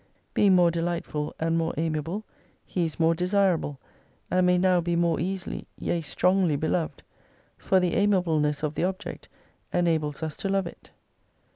Being more delightful and more amiable, He is more desirable, and may now be more easily, yea strongly beloved : for the amiableness of the object enables us to love it.